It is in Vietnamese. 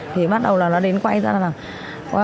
thì bắt đầu là nó đến quay ra là